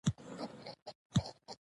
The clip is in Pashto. لاړ شه باجوړ ته کمیس تور ما ته راوړئ.